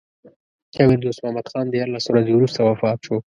امیر دوست محمد خان دیارلس ورځې وروسته وفات شو.